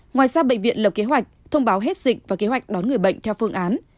ngoài ra bệnh viện lập kế hoạch thông báo hết dịch và kế hoạch đón người bệnh theo phương án